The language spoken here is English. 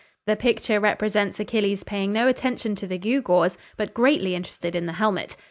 The picture represents Achilles paying no attention to the gew gaws, but greatly interested in the helmet.